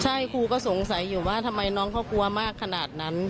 ใช่ครูก็สงสัยอยู่ว่าทำไมน้องเขากลัวมากขนาดนั้น